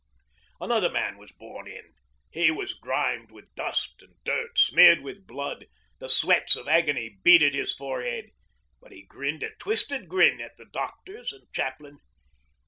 Another man was borne in. He was grimed with dust and dirt, and smeared with blood. The sweats of agony beaded his forehead, but he grinned a twisted grin at the doctors and chaplain.